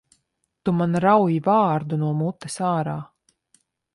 Tu man rauj vārdu no mutes ārā!